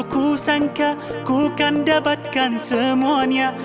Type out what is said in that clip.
kira kira aku salah